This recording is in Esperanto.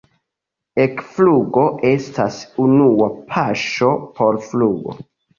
Ekflugo estas unua paŝo por flugo.